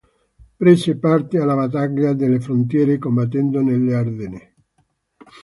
Prese parte alla Battaglia delle Frontiere, combattendo nelle Ardenne.